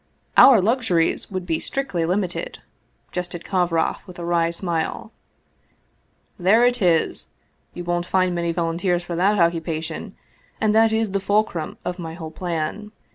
" Our luxuries would be strictly limited," jested Kovroff, with a wry smile. " There it is ! You won't find many volunteers for that occupation, and that is the fulcrum of my whole plan.